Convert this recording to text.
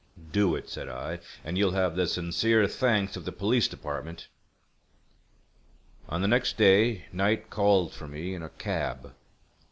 "Do it," said I, "and you'll have the sincere thanks of the Police Department." On the next day Knight called for me in a cab.